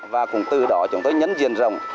và cùng từ đó chúng tôi nhấn diện rồng